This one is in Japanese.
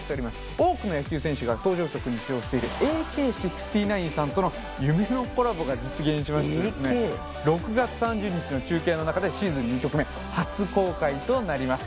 多くの野球選手が登場曲に使用しているＡＫ−６９さんとの夢のコラボが実現しまして６月３０日の中継の中でシーズン２曲目初公開となります。